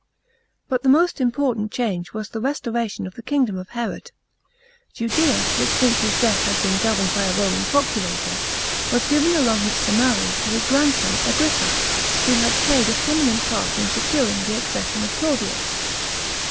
§ 14. But the most important change was the restoration of the kingdom of Herod. Judea, which since his death had been governed by a Roman procurator, was given along with Samaria to his grandson Agtippa, who had played a prominent part in securing the accession of Claudius.